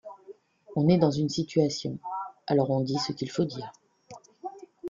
On est dans une situation, alors on dit ce qu’il faut dire.